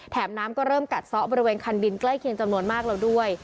น้ำก็เริ่มกัดซ้อบริเวณคันดินใกล้เคียงจำนวนมากแล้วด้วย